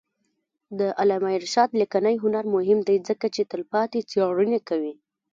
د علامه رشاد لیکنی هنر مهم دی ځکه چې تلپاتې څېړنې کوي.